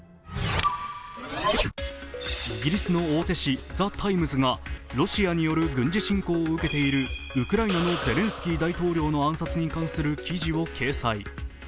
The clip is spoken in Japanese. イギリスの大手紙「ザ・タイムズ」がロシアによる軍事侵攻を受けているウクライナのゼレンスキー大統領の暗殺に関する記事を掲載。